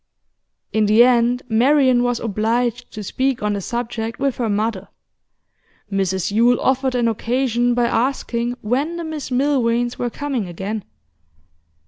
In the end, Marian was obliged to speak on the subject with her mother. Mrs Yule offered an occasion by asking when the Miss Milvains were coming again.